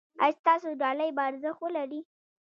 ایا ستاسو ډالۍ به ارزښت ولري؟